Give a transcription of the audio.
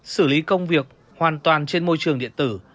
xử lý công việc hoàn toàn trên môi trường điện tử